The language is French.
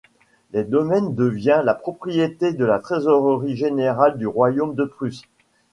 Le domaine devient la propriété de la Trésorerie Générale du Royaume de Prusse.